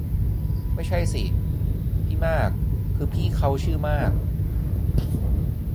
ไม่ใช่สิ พี่มาก คือพี่เค้าชื่อมาก